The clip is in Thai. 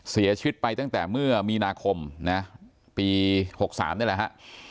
เสียชีวิตไปตั้งแต่เมื่อมีนาคมนะปี๖๓นี่แหละฮะ